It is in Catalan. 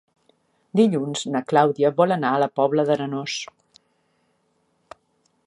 Dilluns na Clàudia vol anar a la Pobla d'Arenós.